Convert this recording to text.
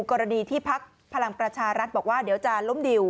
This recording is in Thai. กรณีที่พักพลังประชารัฐบอกว่าเดี๋ยวจะล้มดิว